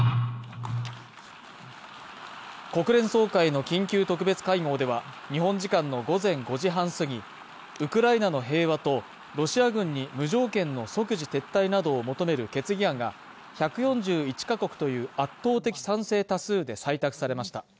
国連総会の緊急特別会合では、日本時間の午前５時半すぎ、ウクライナの平和と、ロシア軍に無条件の即時撤退などを求める決議案が１４１カ国という圧倒的賛成多数で採択されました。